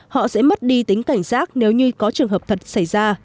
họ sẽ mất đi tính cảnh giác nếu như có trường hợp thật xảy ra